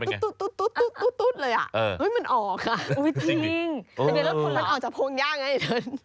ปัจจนมันออกจากพลงยากไอ้เถิน